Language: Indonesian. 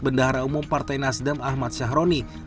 bendahara umum partai nasdem ahmad syahroni